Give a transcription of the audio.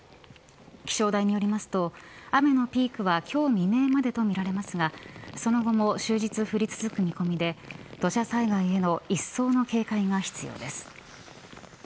気象台によりますと雨のピークは今日未明までとみられますがその後も終日降り続く見込みで土砂災害への一層の警戒が必要です。